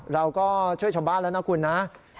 เราก็ช่วยชาวบ้านแล้วนะคุณนะ